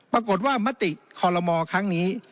ปรากฏว่ามติคอลโลมอร์ครั้งนี้